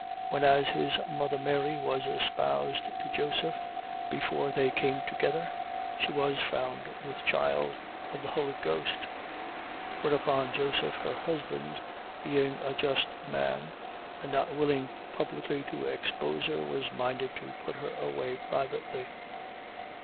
When as his mother Mary was espoused to Joseph, before they came together, she was found with child, of the Holy Ghost. 1:19. Whereupon Joseph her husband, being a just man, and not willing publicly to expose her, was minded to put her away privately.